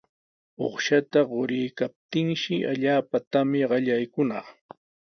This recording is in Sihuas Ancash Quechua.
Uqshata quriykaptinshi allaapa tamya qallaykunaq.